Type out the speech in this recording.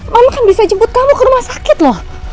mama kan bisa jemput kamu ke rumah sakit loh